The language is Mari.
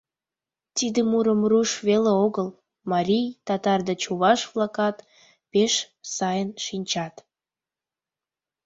Тиде мурым руш веле огыл, марий, татар да чуваш-влакат пеш сайын шинчат.